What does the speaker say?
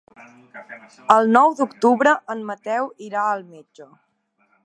El nou d'octubre en Mateu irà al metge.